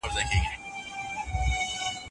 خو ډوډۍ یې له هر چا څخه تنها وه